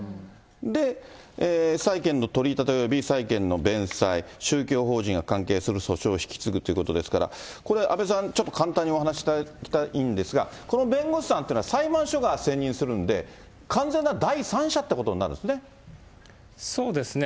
で、債権の取り立て及び債権の弁済、宗教法人が関係する訴訟を引き継ぐということですから、これ阿部さん、ちょっと簡単にお話しいただきたいんですが、この弁護士さんってのは、裁判所が選任するんで、完全な第三者っていうことになるんそうですね。